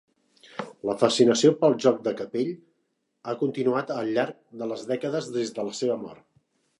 La fascinació pel joc de Kapell ha continuat al llarg de les dècades des de la seva mort.